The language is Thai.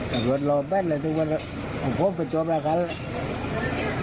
ป่าโอ้บังเป็นแล้วถึงมันป่าโอ้บังเป็นจ่วยมากันเลย